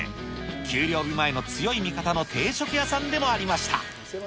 給料日前の強い味方の定食屋さんでもありました。